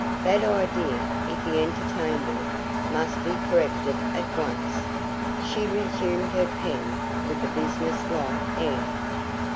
That idea, if he entertained it, must be corrected at once. She resumed her pen with a business like air.